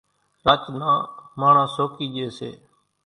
راچ نان ماڻۿان سوڪِي ڄيَ سي۔